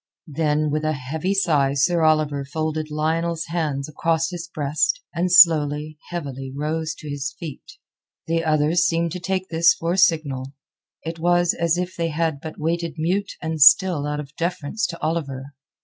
Then with a heavy sigh Sir Oliver folded Lionel's hands across his breast, and slowly, heavily rose to his feet. The others seemed to take this for a signal. It was as if they had but waited mute and still out of deference to Oliver.